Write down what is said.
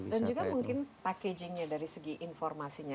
dan juga mungkin packaging nya dari segi informasinya